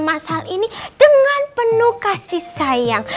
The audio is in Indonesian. mas hal ini dengan penuh kasih sayang